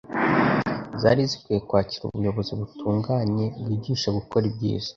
zari zikwiye kwakira ubuy°obozi butunganye bwigisha gukora ibyiza.